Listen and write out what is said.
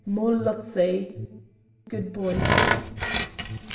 Molodtsi!_ (Good boys)!"